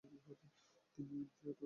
তিনি ইলফ্রেড ও ওস্ট্রোডায় শিক্ষকতা করেন।